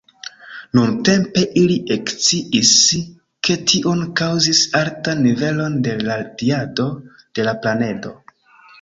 Nuntempe ili eksciis, ke tion kaŭzis altan nivelon de radiado de la planedo.